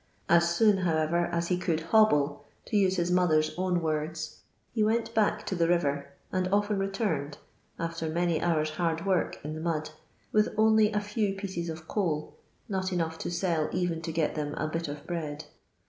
As soon, however, as he could "hobble" (to use his mother's own words) he went back to the river, and often returned (after many hours' hard work in the mud) with only a few pieces of coal, not enough to sell even to get them a bit of bread.